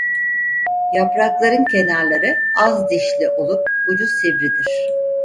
Yaprakların kenarları az dişli olup ucu sivridir.